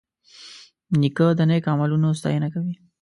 نیکه د نیک عملونو ستاینه کوي.